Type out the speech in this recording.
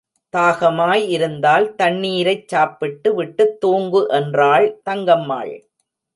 தாகமாய் இருந்தால் தண்ணீரைச் சாப்பிட்டு விட்டுத் தூங்கு என்றாள் தங்கம்மாள்.